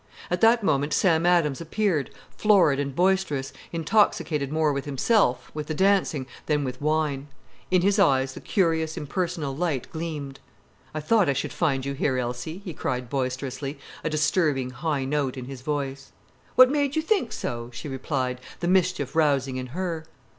At that moment Sam Adams appeared, florid and boisterous, intoxicated more with himself, with the dancing, than with wine. In his eyes the curious, impersonal light gleamed. "I thought I should find you here, Elsie," he cried boisterously, a disturbing, high note in his voice. "What made you think so?" she replied, the mischief rousing in her.